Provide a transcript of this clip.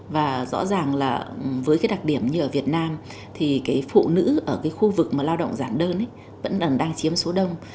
và rõ ràng là với cái đặc điểm như ở việt nam thì cái phụ nữ ở cái khu vực mà lao động giản đơn vẫn đang chiếm số đông